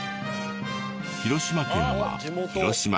広島県は広島市。